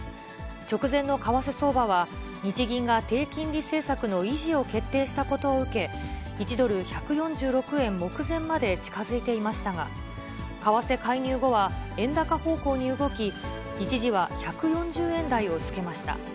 直前の為替相場は、日銀が低金利政策の維持を決定したことを受け、１ドル１４６円目前まで近づいていましたが、為替介入後は、円高方向に動き、一時は１４０円台をつけました。